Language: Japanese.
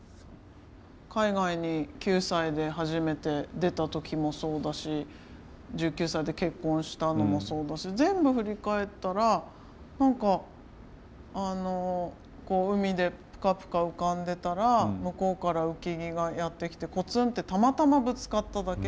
海外に９歳で初めて出た時もそうだし１９歳で結婚したのもそうだし全部振り返ったら何かあの海でプカプカ浮かんでたら向こうから浮き木がやって来てコツンってたまたまぶつかっただけ。